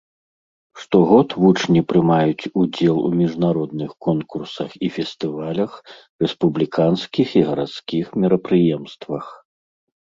Штогод вучні прымаюць удзел у міжнародных конкурсах і фестывалях, рэспубліканскіх і гарадскіх мерапрыемствах.